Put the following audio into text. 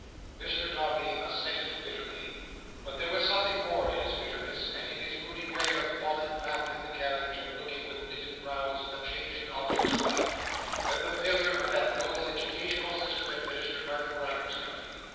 Mr Dombey assented bitterly; but there was something more in his bitterness, and in his moody way of falling back in the carriage, and looking with knitted brows at the changing objects without, than the failure of that noble educational system administered by the Grinders' Company.